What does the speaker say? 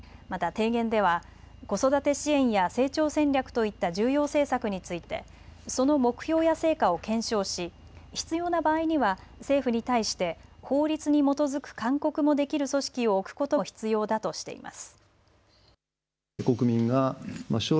提言では子育て支援や成長戦略といった重要政策についてその目標や成果を検証し必要な場合には政府に対して法律に基づく勧告もできる組織を置くことも必要だとしています。